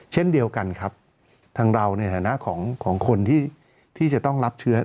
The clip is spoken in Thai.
เช่นเดียวกันครับทางเราในฐานะของคนที่จะต้องรับเชื้อ